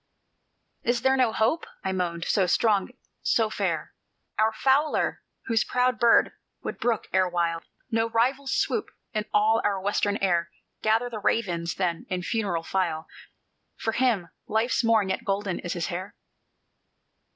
"Is there no hope?" I moaned, "so strong, so fair! Our Fowler whose proud bird would brook erewhile No rival's swoop in all our western air! Gather the ravens, then, in funeral file For him, life's morn yet golden in his hair?